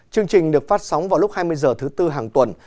chương trình được phát sóng vào lúc hai mươi h thứ tư hàng tuần